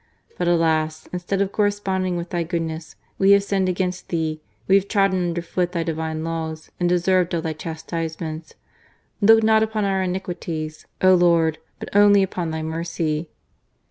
But alas! instead of corresponding with Thy good ness, we have sinned against Thee, we have trodden under foot Thy Divine Laws, and deserved all Thy chastisements. Look not upon our iniquities, O Lord ! but only upon Thy mercy."